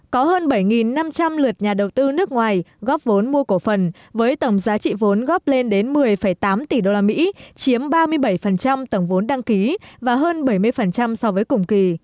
có hơn bảy năm trăm linh lượt nhà đầu tư nước ngoài góp vốn mua cổ phần với tổng giá trị vốn góp lên đến một mươi tám tỷ usd chiếm ba mươi bảy tổng vốn đăng ký và hơn bảy mươi so với cùng kỳ